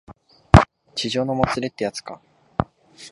痴情のもつれってやつか